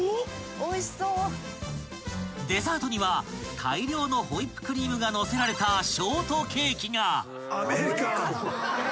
［デザートには大量のホイップクリームが載せられたショートケーキが］